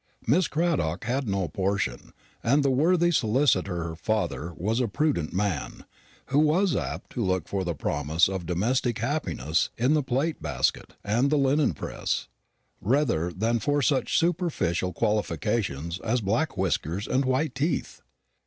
Miss Cradock had no portion, and the worthy solicitor her father was a prudent man, who was apt to look for the promise of domestic happiness in the plate basket and the linen press, rather than for such superficial qualifications as black whiskers and white teeth.